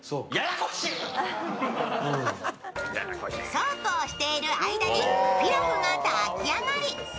そうこうしている間にピラフが炊き上がり。